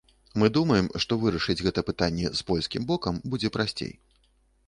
Мы думаем, што вырашыць гэта пытанне з польскім бокам будзе прасцей.